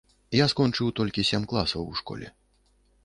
Я скончыў толькі сем класаў у школе.